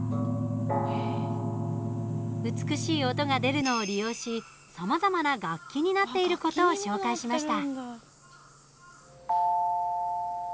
美しい音が出るのを利用しさまざまな楽器になっていることを紹介しました。